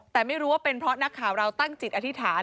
แต่ไม่รู้ว่าเป็นเพราะนักข่าวเราตั้งจิตอธิษฐาน